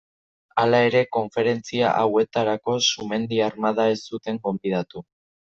Hala ere konferentzia hauetarako Sumendi Armada ez zuten gonbidatu.